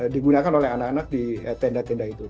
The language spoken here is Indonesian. digunakan oleh anak anak di tenda tenda itu